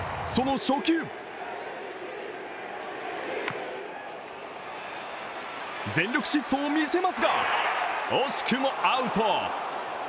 その初球全力疾走を見せますが、惜しくもアウト。